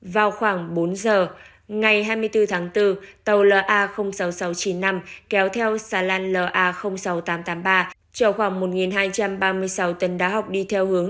vào khoảng bốn giờ ngày hai mươi bốn tháng bốn tàu la sáu nghìn sáu trăm chín mươi năm kéo theo xà lan la sáu nghìn tám trăm tám mươi ba chở khoảng một hai trăm ba mươi sáu tấn đá học đi theo hướng